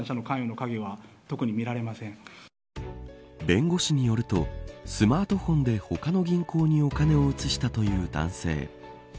弁護士によるとスマートフォンで他の銀行にお金を移したという男性。